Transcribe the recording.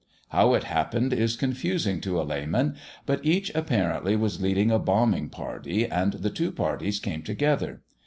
How it happened is confusing to a layman, but each apparently was leading a bombing party, and the two parties came together.